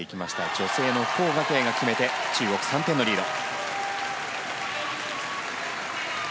女性のコウ・ガケイが決めて中国、３点のリード。